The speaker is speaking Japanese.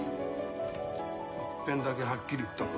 いっぺんだけはっきり言っとく。